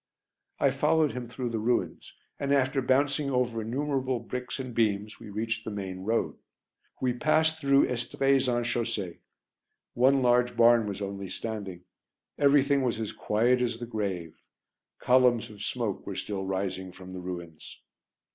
I followed him through the ruins and, after bouncing over innumerable bricks and beams, we reached the main road. We passed through Estrées en Chaussée. One large barn was only standing; everything was as quiet as the grave; columns of smoke were still rising from the ruins.